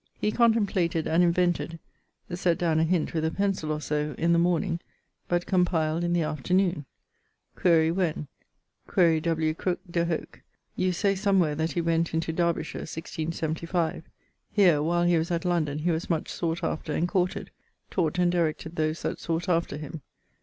☞ He contemplated and invented (set downe a hint with a pencill or so) in the morning, but compiled in the afternoon. [CXV.] Quaere when. Quaere W. Crooke de hoc. [You say somewhere that he went into Derbyshire, 1675. Here, while he was at London, he was much sought after and courted: taught and directed those that sought after him.